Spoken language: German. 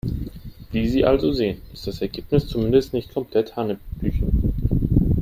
Wie Sie also sehen, ist das Ergebnis zumindest nicht komplett hanebüchen.